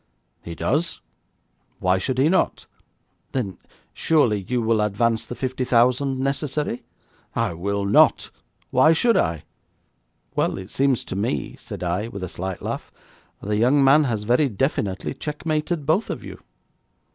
'He does. Why should he not?' 'Then surely you will advance the fifty thousand necessary?' 'I will not. Why should I?' 'Well, it seems to me,' said I, with a slight laugh, 'the young man has very definitely checkmated both of you.'